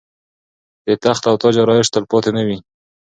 د تخت او تاج آرایش تلپاتې نه وي.